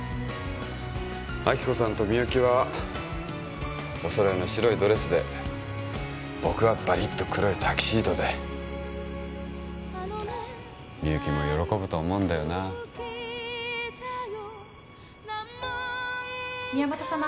亜希子さんとみゆきはお揃いの白いドレスで僕はバリッと黒いタキシードでみゆきも喜ぶと思うんだよな宮本様